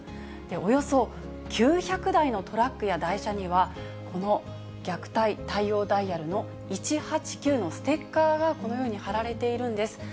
およそ９００台のトラックや台車には、この虐待対応ダイヤルの１８９のステッカーが、このように貼られているんです。